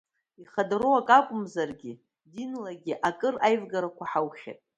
Ихадароу акы акәымзаргьы, динлагьы акыр аивыгарақәа ҳаухьеит.